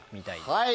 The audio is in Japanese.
はい。